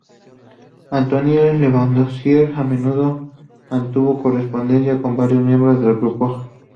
Antoine Lavoisier a menudo mantuvo correspondencia con varios miembros del grupo.